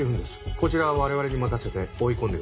こちらは我々に任せて追い込んでください。